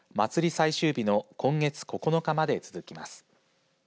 最終日の今月９日まで続きます。